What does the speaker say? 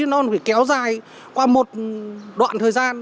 nó phải kéo dài qua một đoạn thời gian